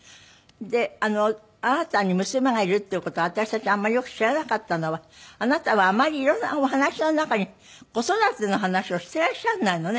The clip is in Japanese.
であなたに娘がいるっていう事を私たちあんまりよく知らなかったのはあなたはあまり色んなお話の中に子育ての話をしてらっしゃらないのね？